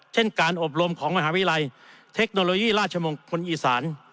เช่นการอบรมของมหาวิทยาลัยเทคโนโลยีราชมงคลอีสาน